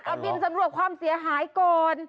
เอาบินสำรวจความเสียหายก่อน